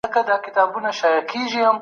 سياسي تاريخ په ډېر غور سره ولولئ.